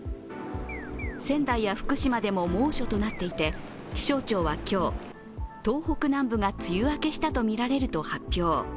仙台や福島でも猛暑となっていて気象庁は今日東北南部が梅雨明けしたとみられると発表。